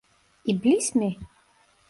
İblis mi?